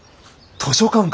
図書館だ！